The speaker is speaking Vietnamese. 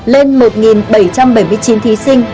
lên một bảy trăm bảy mươi chín thí sinh